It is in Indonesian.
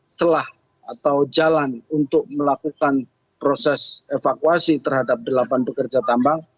ada celah atau jalan untuk melakukan proses evakuasi terhadap delapan pekerja tambang